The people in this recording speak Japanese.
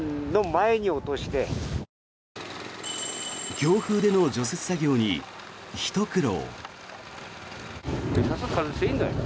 強風での除雪作業にひと苦労。